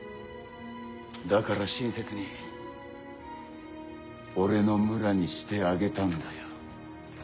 だから親切に俺の村にしてあげたんだよ。